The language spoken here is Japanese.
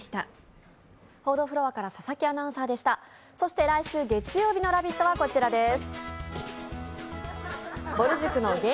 そして来週月曜日の「ラヴィット！」はこちらです。